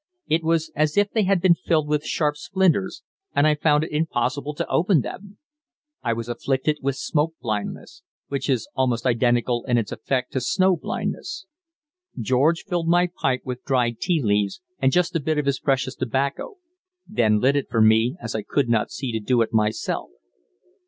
It was as if they had been filled with sharp splinters, and I found it impossible to open them. I was afflicted with smoke blindness, which is almost identical in its effect to snow blindness. George filled my pipe with dried tea leaves and just a bit of his precious tobacco; then lit it for me, as I could not see to do it myself.